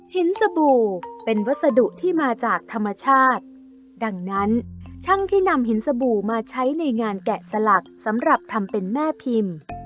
สบู่เป็นวัสดุที่มาจากธรรมชาติดังนั้นช่างที่นำหินสบู่มาใช้ในงานแกะสลักสำหรับทำเป็นแม่พิมพ์